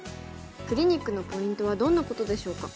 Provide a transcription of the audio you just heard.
クリニックのポイントはどんなことでしょうか？